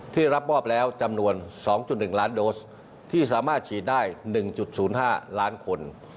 ที่รับมอบแล้วจำนวน๒๑ล้านโดสที่สามารถฉีดได้๑๐๕ล้านคน